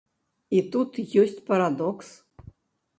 І тут ёсць парадокс.